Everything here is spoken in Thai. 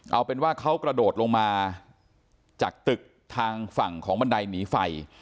เอาเป็นว่าเขากระโดดลงมาจากตึกทางฝั่งของบันไดหนีไฟ